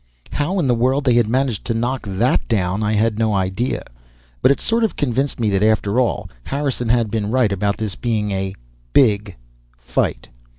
How in the world they had managed to knock that down I had no idea; but it sort of convinced me that, after all, Harrison had been right about this being a big fight.